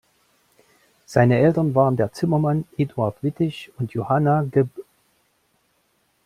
Seine Eltern waren der Zimmermann Eduard Wittig und Johanna, geb.